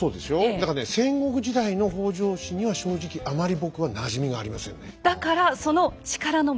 だからね戦国時代の北条氏には正直あまり僕はなじみがありませんね。